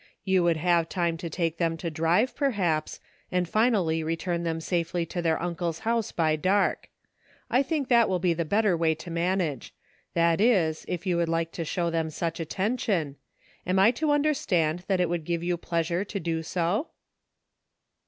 You would have time to take them to drive, perhaps, and finally return them safely to their uncle's house by dark. I think that will be the better way to manage ; that is, if you would like to show them such attention. Am I to understand that it would give you pleasure to do so?"